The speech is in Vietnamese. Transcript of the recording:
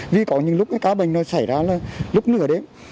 vì có những lúc cái ca bệnh nó xảy ra là lúc nửa đêm